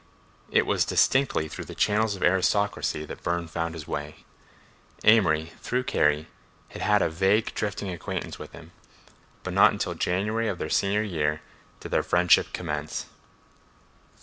It was distinctly through the channels of aristocracy that Burne found his way. Amory, through Kerry, had had a vague drifting acquaintance with him, but not until January of senior year did their friendship commence.